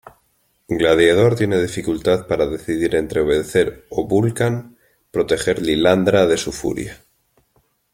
Gladiador tiene dificultad para decidir entre obedecer o Vulcan proteger Lilandra de su furia.